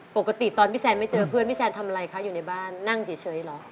ปกติตอนพี่แซนไม่เจอเพื่อนพี่แซนทำอะไรคะอยู่ในบ้านนั่งเฉยเหรอ